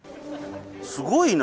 すごいな！